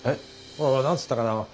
ほら何つったかな